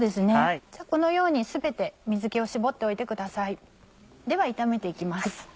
このように全て水気を絞っておいてください。では炒めて行きます。